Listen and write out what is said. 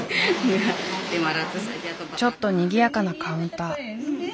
ちょっとにぎやかなカウンター。